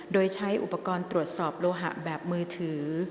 โดยใช้อุปกรณ์ตรวจสอบโลหะแบบมือถือ